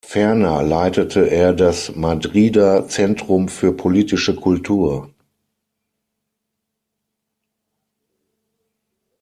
Ferner leitete er das Madrider Zentrum für Politische Kultur.